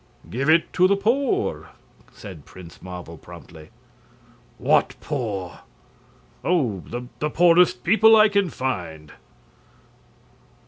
"Give it to the poor," said Prince Marvel, promptly. "What poor?" "Oh, the poorest people I can find."